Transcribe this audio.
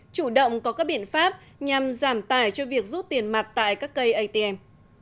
chủ động có các biện pháp nhằm giảm tài cho việc rút tiền mặt tại các cây atm